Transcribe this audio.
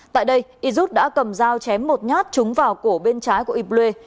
tại đây yirut đã cầm dao chém một nhát trúng vào cổ bên trái của yble